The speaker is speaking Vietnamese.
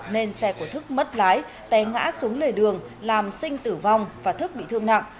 nên xe của thức mất lái té ngã xuống lề đường làm sinh tử vong và thức bị thương nặng